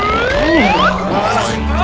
wah pekayang ya